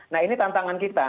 nah ini tantangan kita